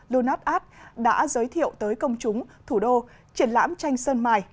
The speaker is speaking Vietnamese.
lunart art đã giới thiệu tới công chúng thủ đô triển lãm tranh sân mài